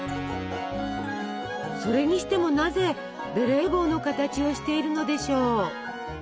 それにしてもなぜベレー帽の形をしているのでしょう。